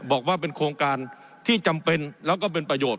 บอกว่าเป็นโครงการที่จำเป็นแล้วก็เป็นประโยชน